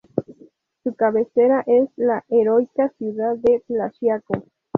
Su cabecera es la Heroica Ciudad de Tlaxiaco.